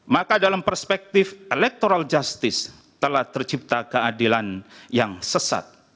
maka dalam perspektif electoral justice telah tercipta keadilan yang sesat